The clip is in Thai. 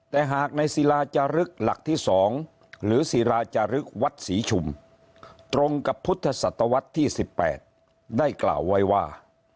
แต่หากในศิลาจารึกหลักที่๒หรือศิราจารึกวัดศรีชุมตรงกับพุทธศตวรรษที่๑๘ได้กล่าวไว้ว่า